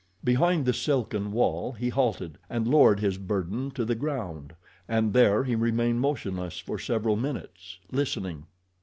Behind the silken wall he halted and lowered his burden to the ground, and there he remained motionless for several minutes, listening.